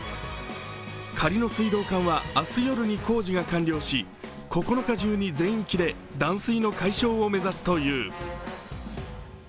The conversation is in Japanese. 仮の水道管は明日夜に工事が完了し、９日中に全域で断水の解消を目指すという。